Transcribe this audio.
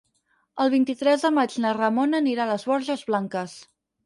El vint-i-tres de maig na Ramona anirà a les Borges Blanques.